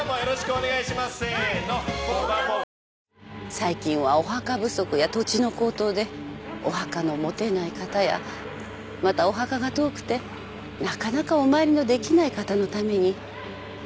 最近はお墓不足や土地の高騰でお墓の持てない方やまたお墓が遠くてなかなかお参りのできない方のために。